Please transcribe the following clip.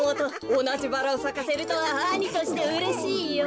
おなじバラをさかせるとは兄としてうれしいよ。